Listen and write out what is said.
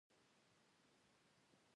غریب د وجود نه بلکې د ارمان غم لري